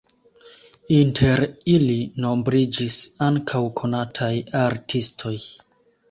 Inter ili nombriĝis ankaŭ konataj artistoj.